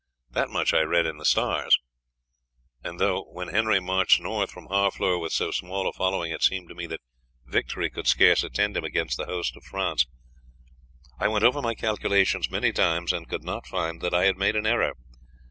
That much I read in the stars. And though, when Henry marched north from Harfleur with so small a following, it seemed to me that victory could scarce attend him against the host of France, I went over my calculations many times and could not find that I had made an error.